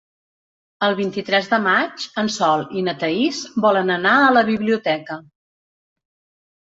El vint-i-tres de maig en Sol i na Thaís volen anar a la biblioteca.